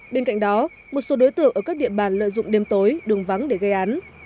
bên cạnh đó một số đối tượng ở các địa bàn lợi dụng đêm tối đường vắng để gây án